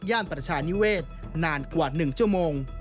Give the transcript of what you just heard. ประชานิเวศนานกว่า๑ชั่วโมง